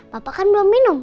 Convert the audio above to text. papa kan belum minum